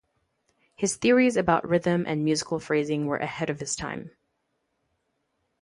His theories about rhythm and musical phrasing were ahead of his time.